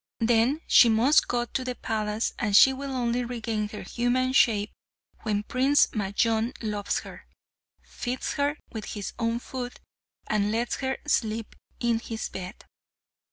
Then she must go to the palace, and she will only regain her human shape when Prince Majnun loves her, feeds her with his own food, and lets her sleep in his bed."